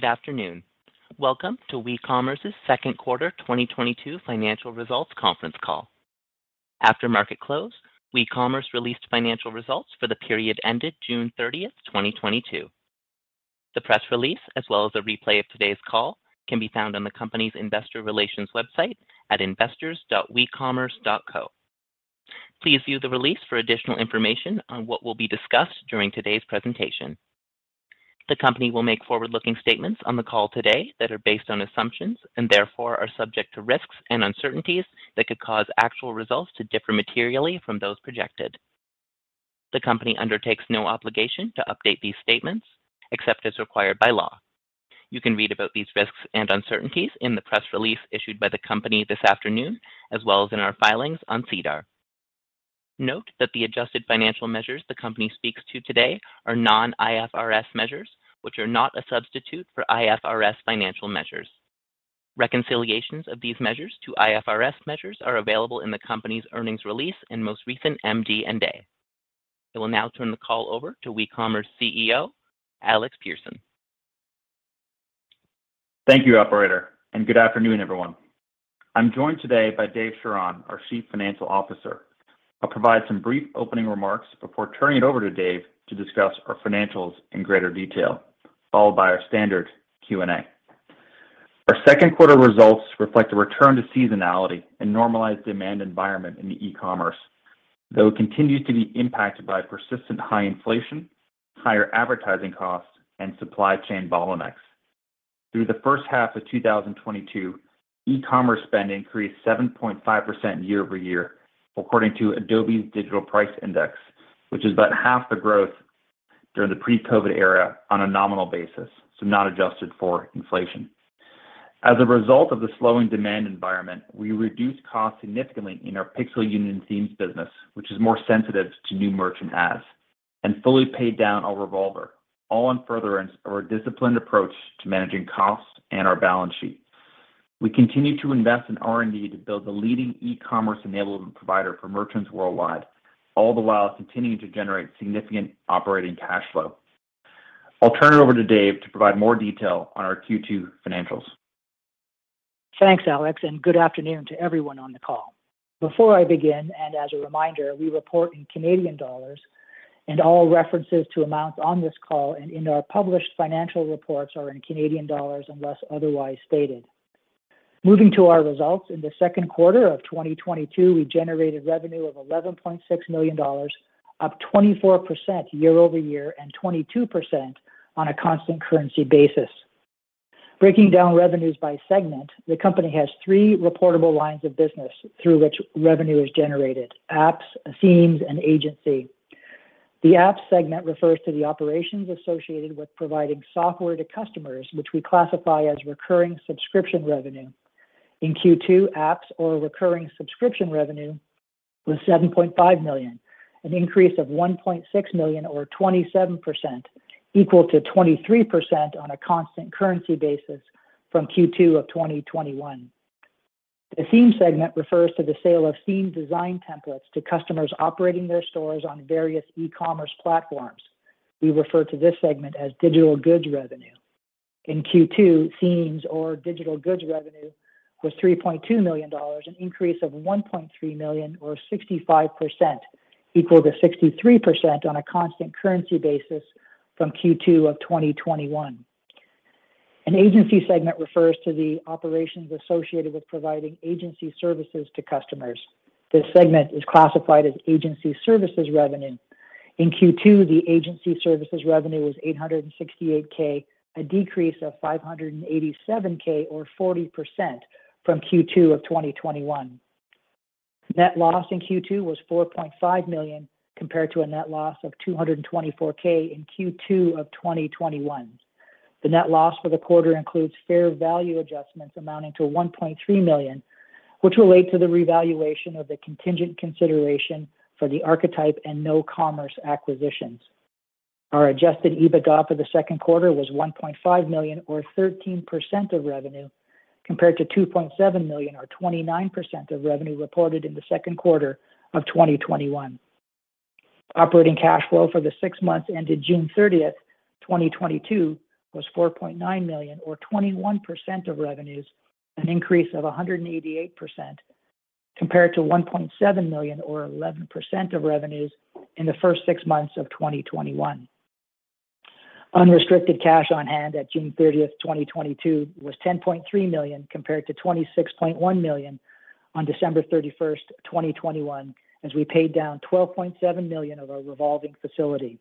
Good afternoon. Welcome to WeCommerce's second quarter 2022 financial results conference call. After market close, WeCommerce released financial results for the period ended June 30, 2022. The press release, as well as a replay of today's call, can be found on the company's investor relations website at investors.wecommerce.co. Please view the release for additional information on what will be discussed during today's presentation. The company will make forward-looking statements on the call today that are based on assumptions and therefore are subject to risks and uncertainties that could cause actual results to differ materially from those projected. The company undertakes no obligation to update these statements except as required by law. You can read about these risks and uncertainties in the press release issued by the company this afternoon, as well as in our filings on SEDAR. Note that the adjusted financial measures the company speaks to today are non-IFRS measures, which are not a substitute for IFRS financial measures. Reconciliations of these measures to IFRS measures are available in the company's earnings release and most recent MD&A. I will now turn the call over to WeCommerce CEO Alex Persson. Thank you, operator, and good afternoon, everyone. I'm joined today by David Charron, our Chief Financial Officer. I'll provide some brief opening remarks before turning it over to Dave to discuss our financials in greater detail, followed by our standard Q&A. Our second quarter results reflect a return to seasonality and normalized demand environment in the e-commerce, though it continues to be impacted by persistent high inflation, higher advertising costs, and supply chain bottlenecks. Through the first half of 2022, e-commerce spending increased 7.5% year-over-year, according to Adobe's Digital Price Index, which is about half the growth during the pre-COVID era on a nominal basis, so not adjusted for inflation. As a result of the slowing demand environment, we reduced costs significantly in our Pixel Union Themes business, which is more sensitive to new merchant adds and fully paid down our revolver, all in furtherance of our disciplined approach to managing costs and our balance sheet. We continue to invest in R&D to build the leading e-commerce enablement provider for merchants worldwide, all the while continuing to generate significant operating cash flow. I'll turn it over to Dave to provide more detail on our Q2 financials. Thanks, Alex, and good afternoon to everyone on the call. Before I begin, and as a reminder, we report in Canadian dollars and all references to amounts on this call and in our published financial reports are in Canadian dollars unless otherwise stated. Moving to our results. In the second quarter of 2022, we generated revenue of 11.6 million dollars, up 24% year-over-year and 22% on a constant currency basis. Breaking down revenues by segment, the company has three reportable lines of business through which revenue is generated: apps, themes, and agency. The apps segment refers to the operations associated with providing software to customers which we classify as recurring subscription revenue. In Q2, apps or recurring subscription revenue was 7.5 million, an increase of 1.6 million or 27% equal to 23% on a constant currency basis from Q2 of 2021. The theme segment refers to the sale of theme design templates to customers operating their stores on various e-commerce platforms. We refer to this segment as digital goods revenue. In Q2, themes or digital goods revenue was 3.2 million dollars, an increase of 1.3 million or 65% equal to 63% on a constant currency basis from Q2 of 2021. An agency segment refers to the operations associated with providing agency services to customers. This segment is classified as agency services revenue. In Q2, the agency services revenue was 868K, a decrease of 587K or 40% from Q2 of 2021. Net loss in Q2 was 4.5 million compared to a net loss of 224K in Q2 of 2021. The net loss for the quarter includes fair value adjustments amounting to 1.3 million, which relate to the revaluation of the contingent consideration for the Archetype and KnoCommerce acquisitions. Our adjusted EBITDA for the second quarter was 1.5 million or 13% of revenue, compared to 2.7 million or 29% of revenue reported in the second quarter of 2021. Operating cash flow for the six months ended June 30, 2022 was 4.9 million or 21% of revenues, an increase of 188% compared to 1.7 million or 11% of revenues in the first six months of 2021. Unrestricted cash on hand at June 30th, 2022 was 10.3 million compared to 26.1 million on December 31st, 2021, as we paid down 12.7 million of our revolving facility.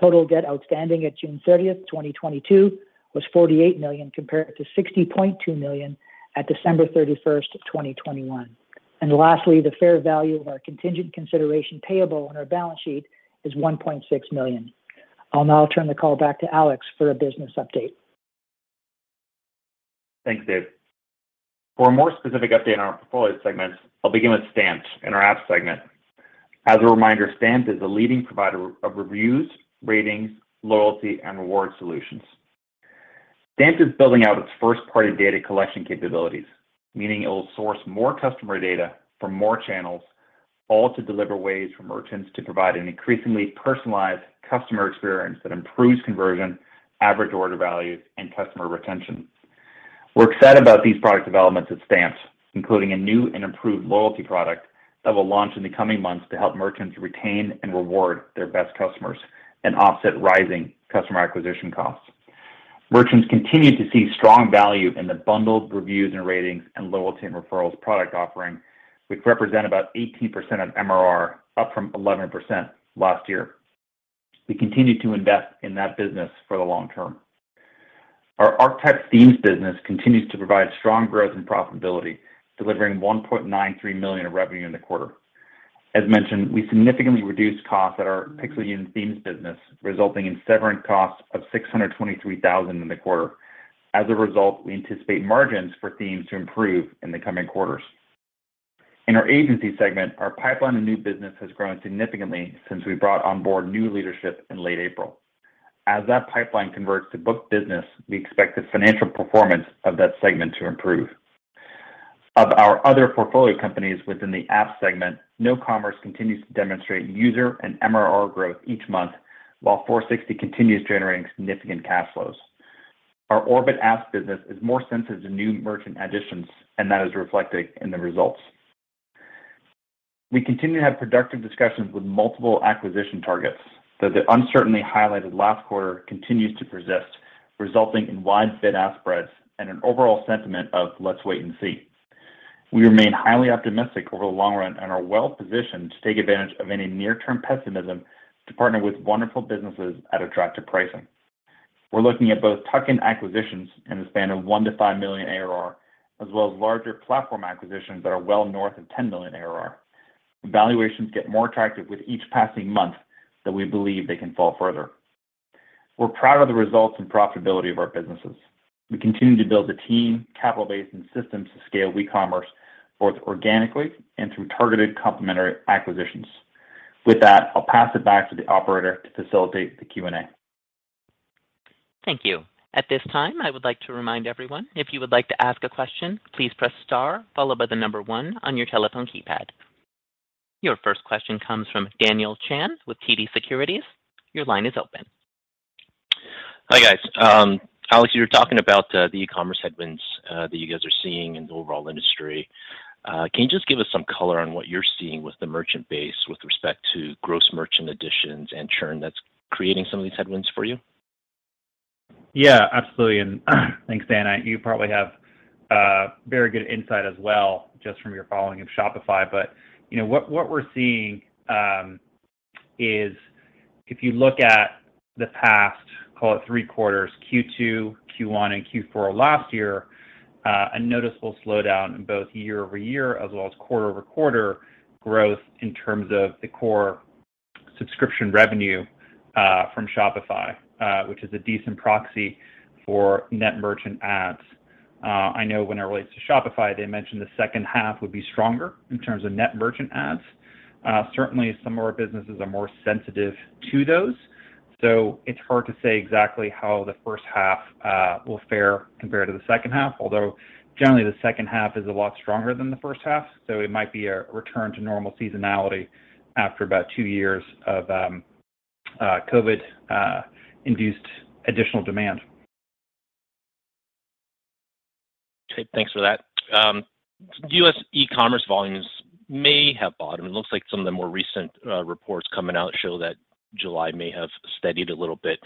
Total debt outstanding at June 30th, 2022 was 48 million compared to 60.2 million at December 31st, 2021. Lastly, the fair value of our contingent consideration payable on our balance sheet is 1.6 million. I'll now turn the call back to Alex for a business update. Thanks, Dave. For a more specific update on our portfolio segments, I'll begin with Stamped in our apps segment. As a reminder, Stamped is a leading provider of reviews, ratings, loyalty, and reward solutions. Stamped is building out its first party data collection capabilities, meaning it will source more customer data from more channels. All to deliver ways for merchants to provide an increasingly personalized customer experience that improves conversion, average order values, and customer retention. We're excited about these product developments at Stamped, including a new and improved loyalty product that will launch in the coming months to help merchants retain and reward their best customers and offset rising customer acquisition costs. Merchants continue to see strong value in the bundled reviews and ratings and loyalty and referrals product offering, which represent about 18% of MRR, up from 11% last year. We continue to invest in that business for the long term. Our Archetype Themes business continues to provide strong growth and profitability, delivering 1.93 million in revenue in the quarter. As mentioned, we significantly reduced costs at our Pixel Union Themes business, resulting in severance costs of 623 thousand in the quarter. As a result, we anticipate margins for themes to improve in the coming quarters. In our agency segment, our pipeline of new business has grown significantly since we brought on board new leadership in late April. As that pipeline converts to booked business, we expect the financial performance of that segment to improve. Of our other portfolio companies within the app segment, KnoCommerce continues to demonstrate user and MRR growth each month, while Foursixty continues generating significant cash flows. Our Orbit Apps business is more sensitive to new merchant additions, and that is reflected in the results. We continue to have productive discussions with multiple acquisition targets, though the uncertainty highlighted last quarter continues to persist, resulting in wide bid-ask spreads and an overall sentiment of let's wait and see. We remain highly optimistic over the long run and are well positioned to take advantage of any near-term pessimism to partner with wonderful businesses at attractive pricing. We're looking at both tuck-in acquisitions in the span of 1 million-5 million ARR, as well as larger platform acquisitions that are well north of 10 million ARR. Valuations get more attractive with each passing month, so we believe they can fall further. We're proud of the results and profitability of our businesses. We continue to build the team, capital base, and systems to scale WeCommerce both organically and through targeted complementary acquisitions. With that, I'll pass it back to the operator to facilitate the Q&A. Thank you. At this time, I would like to remind everyone, if you would like to ask a question, please press star followed by the number one on your telephone keypad. Your first question comes from Daniel Chan with TD Securities. Your line is open. Hi, guys. Alex, you were talking about the e-commerce headwinds that you guys are seeing in the overall industry. Can you just give us some color on what you're seeing with the merchant base with respect to gross merchant additions and churn that's creating some of these headwinds for you? Yeah, absolutely. Thanks, Dan. You probably have very good insight as well just from your following of Shopify. You know, what we're seeing is if you look at the past, call it three quarters, Q2, Q1, and Q4 of last year, a noticeable slowdown in both year-over-year as well as quarter-over-quarter growth in terms of the core subscription revenue from Shopify, which is a decent proxy for net merchant adds. I know when it relates to Shopify, they mentioned the second half would be stronger in terms of net merchant adds. Certainly some of our businesses are more sensitive to those, so it's hard to say exactly how the first half will fare compared to the second half, although generally the second half is a lot stronger than the first half. It might be a return to normal seasonality after about two years of COVID induced additional demand. Okay, thanks for that. U.S. e-commerce volumes may have bottomed. It looks like some of the more recent reports coming out show that July may have steadied a little bit.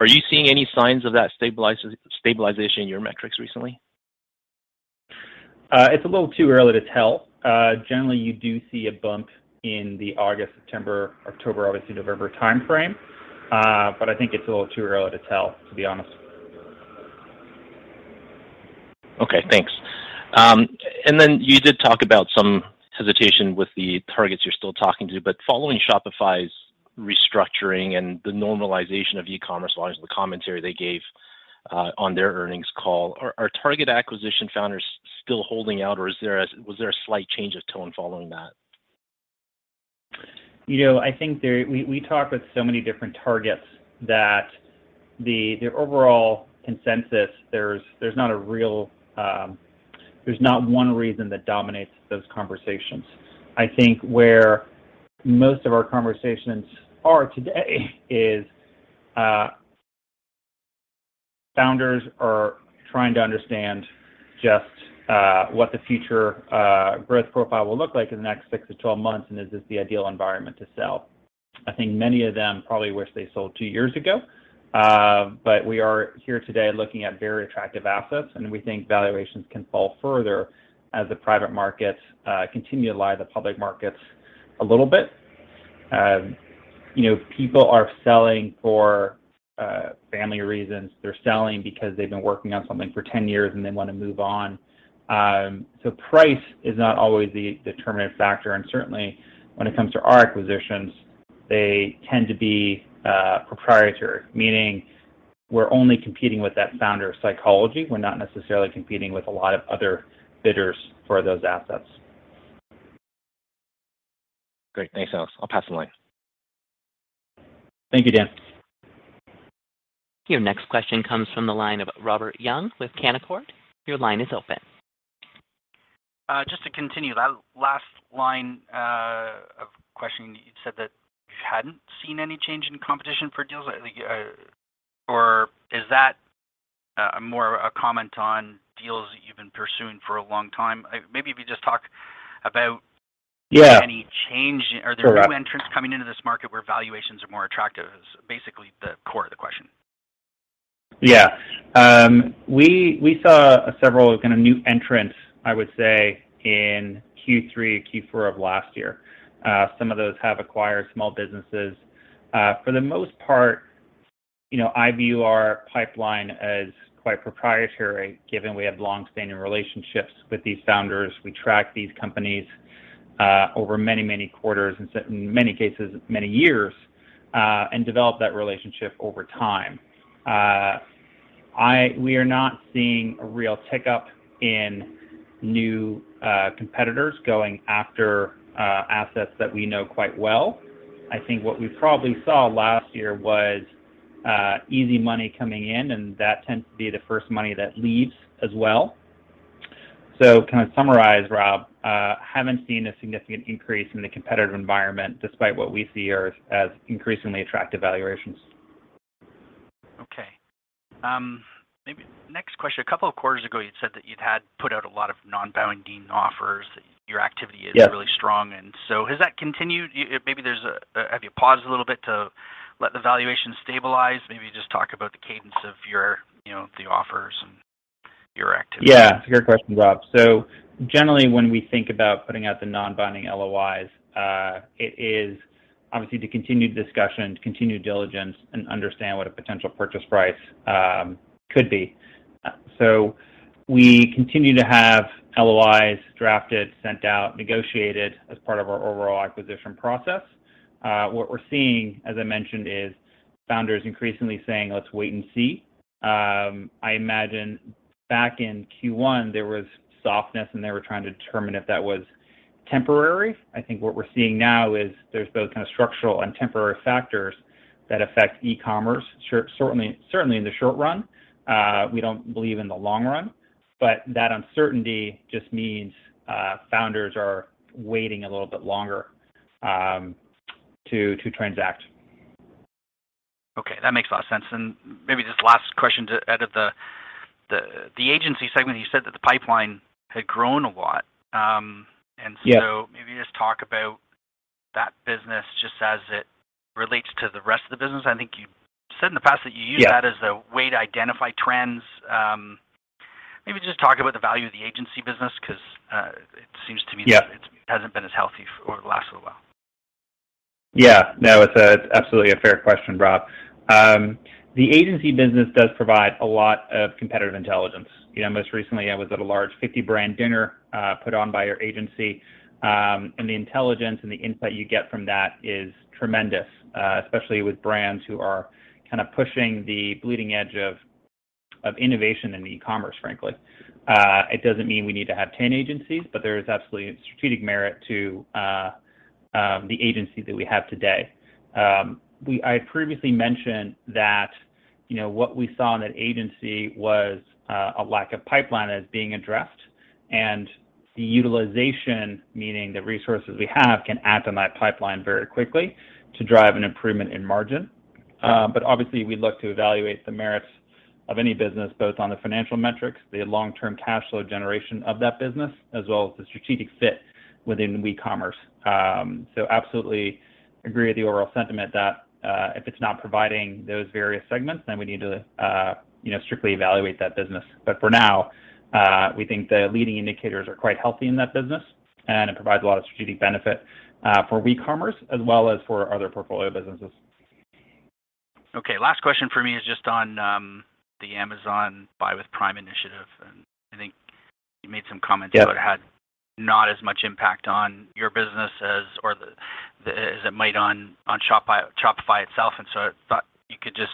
Are you seeing any signs of that stabilization in your metrics recently? It's a little too early to tell. Generally, you do see a bump in the August, September, October, obviously November timeframe, but I think it's a little too early to tell, to be honest. Okay, thanks. You did talk about some hesitation with the targets you're still talking to, but following Shopify's restructuring and the normalization of e-commerce volumes and the commentary they gave on their earnings call, are target acquisition founders still holding out, or was there a slight change of tone following that? You know, I think we talk with so many different targets that the overall consensus is there's not one reason that dominates those conversations. I think where most of our conversations are today is founders are trying to understand just what the future growth profile will look like in the next six to 12 months, and is this the ideal environment to sell? I think many of them probably wish they sold two years ago, but we are here today looking at very attractive assets, and we think valuations can fall further as the private markets continue to lag the public markets a little bit. You know, people are selling for family reasons. They're selling because they've been working on something for 10 years, and they want to move on. Price is not always the determining factor, and certainly when it comes to our acquisitions, they tend to be proprietary, meaning we're only competing with that founder's psychology. We're not necessarily competing with a lot of other bidders for those assets. Great. Thanks, Alex. I'll pass the line. Thank you, Dan. Your next question comes from the line of Robert Young with Canaccord. Your line is open. Just to continue, that last line of questioning, you said that you hadn't seen any change in competition for deals or is that more a comment on deals that you've been pursuing for a long time? Maybe if you just talk about. Yeah any change. Sure, Rob. Are there new entrants coming into this market where valuations are more attractive? Is basically the core of the question. Yeah, we saw several kinda new entrants, I would say, in Q3, Q4 of last year. Some of those have acquired small businesses. For the most part, you know, I view our pipeline as quite proprietary given we have longstanding relationships with these founders. We track these companies over many quarters, and in many cases, years, and develop that relationship over time. We are not seeing a real tick-up in new competitors going after assets that we know quite well. I think what we probably saw last year was easy money coming in, and that tends to be the first money that leaves as well. To kinda summarize, Rob, haven't seen a significant increase in the competitive environment despite what we see as increasingly attractive valuations. Okay. Maybe next question, a couple of quarters ago, you'd said that you'd had put out a lot of non-binding offers, that your activity is, Yeah Really strong, and so has that continued? Have you paused a little bit to let the valuation stabilize? Maybe just talk about the cadence of your, you know, the offers and your activity. Yeah. It's a great question, Rob. Generally, when we think about putting out the non-binding LOIs, it is obviously to continue discussion, to continue diligence, and understand what a potential purchase price could be. We continue to have LOIs drafted, sent out, negotiated as part of our overall acquisition process. What we're seeing, as I mentioned, is founders increasingly saying, "Let's wait and see." I imagine back in Q1, there was softness, and they were trying to determine if that was temporary. I think what we're seeing now is there's both kinda structural and temporary factors that affect e-commerce certainly in the short run, we don't believe in the long run. That uncertainty just means founders are waiting a little bit longer to transact. Okay, that makes a lot of sense. Maybe just last question to add at the agency segment, you said that the pipeline had grown a lot, and so- Yeah Maybe just talk about that business just as it relates to the rest of the business. I think you said in the past that you use Yeah ...that as a way to identify trends. Maybe just talk about the value of the agency business 'cause, it seems to me that- Yeah ...it hasn't been as healthy for the last little while. Yeah. No, it's absolutely a fair question, Rob. The agency business does provide a lot of competitive intelligence. You know, most recently I was at a large 50-brand dinner, put on by your agency, and the intelligence and the insight you get from that is tremendous, especially with brands who are kinda pushing the bleeding edge of innovation in e-commerce, frankly. It doesn't mean we need to have 10 agencies, but there is absolutely a strategic merit to the agency that we have today. I had previously mentioned that, you know, what we saw in that agency was a lack of pipeline as being addressed and the utilization, meaning the resources we have, can add to that pipeline very quickly to drive an improvement in margin. Obviously we'd look to evaluate the merits of any business, both on the financial metrics, the long-term cash flow generation of that business, as well as the strategic fit within WeCommerce. Absolutely agree with the overall sentiment that, if it's not providing those various segments, then we need to, you know, strictly evaluate that business. For now, we think the leading indicators are quite healthy in that business, and it provides a lot of strategic benefit for WeCommerce as well as for other portfolio businesses. Okay, last question for me is just on the Amazon Buy with Prime initiative. I think you made some comments. Yeah About it had not as much impact on your business as it might on Shopify itself, and so I thought you could just,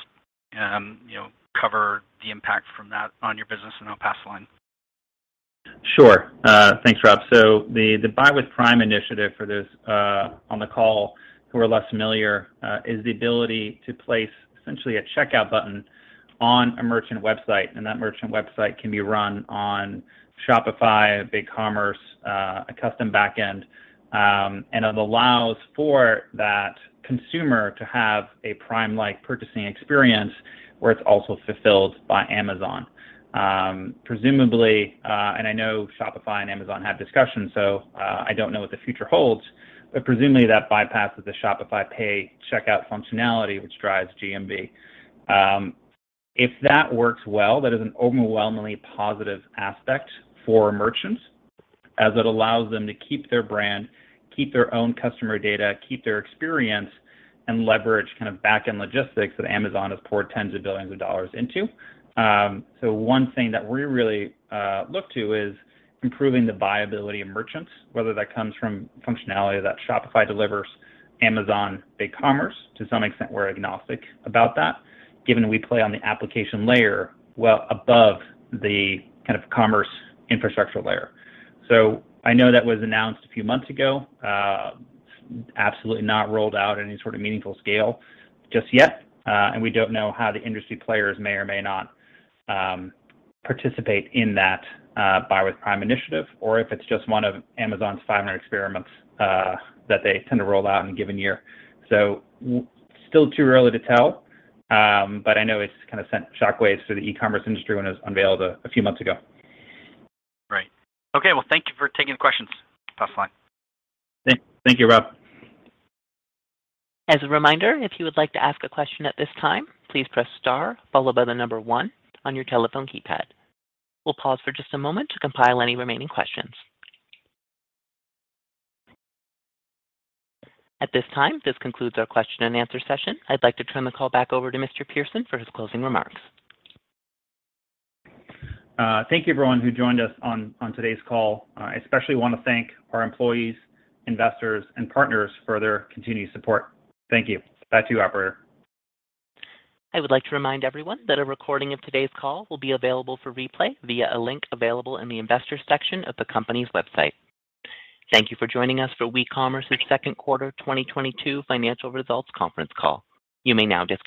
you know, cover the impact from that on your business, and I'll pass the line. Sure. Thanks, Rob. The Buy with Prime initiative for those on the call who are less familiar is the ability to place essentially a checkout button on a merchant website, and that merchant website can be run on Shopify, BigCommerce, a custom backend. It allows for that consumer to have a Prime-like purchasing experience where it's also fulfilled by Amazon. Presumably, I know Shopify and Amazon had discussions, so I don't know what the future holds. Presumably, that bypasses the Shop Pay checkout functionality which drives GMV. If that works well, that is an overwhelmingly positive aspect for merchants as it allows them to keep their brand, keep their own customer data, keep their experience, and leverage kinda backend logistics that Amazon has poured tens of billions of dollars into. One thing that we really look to is improving the buyability of merchants, whether that comes from functionality that Shopify delivers, Amazon, BigCommerce. To some extent, we're agnostic about that given that we play on the application layer well above the kind of commerce infrastructure layer. I know that was announced a few months ago, absolutely not rolled out any sort of meaningful scale just yet. We don't know how the industry players may or may not participate in that, Buy with Prime initiative or if it's just one of Amazon's 500 experiments that they tend to roll out in a given year. Still too early to tell, but I know it's kinda sent shockwaves through the e-commerce industry when it was unveiled a few months ago. Right. Okay, well, thank you for taking the questions. Pass the line. Thank you, Rob. As a reminder, if you would like to ask a question at this time, please press star followed by the number one on your telephone keypad. We'll pause for just a moment to compile any remaining questions. At this time, this concludes our question and answer session. I'd like to turn the call back over to Mr. Persson for his closing remarks. Thank you everyone who joined us on today's call. I especially wanna thank our employees, investors, and partners for their continued support. Thank you. Back to you, operator. I would like to remind everyone that a recording of today's call will be available for replay via a link available in the Investors section of the company's website. Thank you for joining us for WeCommerce's second quarter 2022 financial results conference call. You may now disconnect.